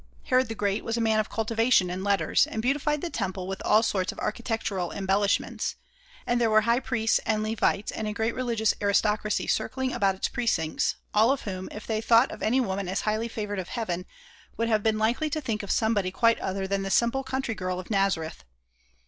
Herod the Great was a man of cultivation and letters, and beautified the temple with all sorts of architectural embellishments; and there were High Priests, and Levites, and a great religious aristocracy circling about its precincts, all of whom, if they thought of any woman as highly favored of heaven, would have been likely to think of somebody quite other than the simple country girl of Nazareth.